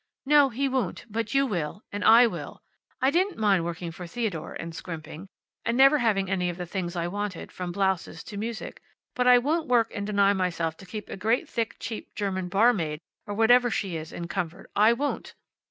"No, he won't. But you will. And I will. I didn't mind working for Theodore, and scrimping, and never having any of the things I wanted, from blouses to music. But I won't work and deny myself to keep a great, thick, cheap, German barmaid, or whatever she is in comfort. I won't!"